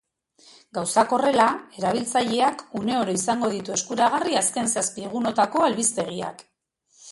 Gauzak horrela, erabiltzeak une oro izango ditu eskuragarri azken zazpi egunetako albistegiak.